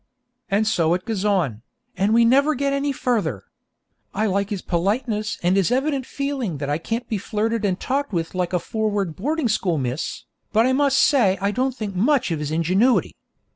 And so it goes on, and we never get any further. I like his politeness and his evident feeling that I can't be flirted and talked with like a forward boarding school miss; but I must say I don't think much of his ingenuity.